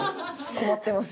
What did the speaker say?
困ってます